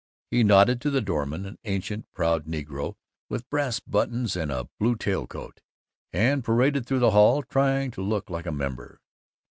He nodded to the doorman, an ancient proud negro with brass buttons and a blue tail coat, and paraded through the hall, trying to look like a member.